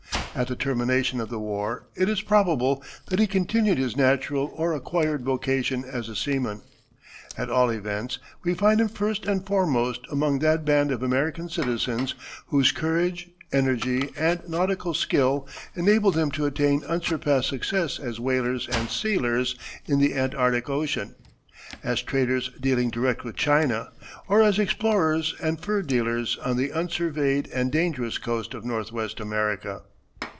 At the termination of the war it is probable that he continued his natural or acquired vocation as a seaman. At all events, we find him first and foremost among that band of American citizens whose courage, energy, and nautical skill enabled them to attain unsurpassed success as whalers and sealers in the Antarctic Ocean, as traders dealing direct with China, or as explorers and fur dealers on the unsurveyed and dangerous coast of northwest America.